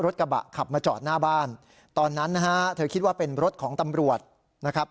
กระบะขับมาจอดหน้าบ้านตอนนั้นนะฮะเธอคิดว่าเป็นรถของตำรวจนะครับ